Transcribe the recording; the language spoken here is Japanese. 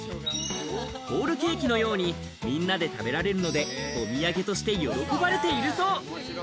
ホールケーキのように、みんなで食べられるので、お土産として喜ばれているそう。